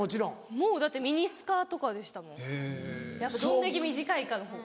もうだってミニスカとかでしたやっぱどんだけ短いかのほう。